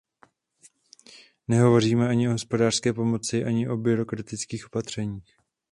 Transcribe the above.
Nehovoříme ani o hospodářské pomoci ani o byrokratických opatřeních.